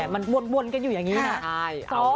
มันวนกันอยู่อย่างนี้นะ